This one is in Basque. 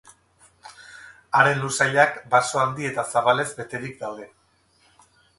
Haren lursailak baso handi eta zabalez beterik daude.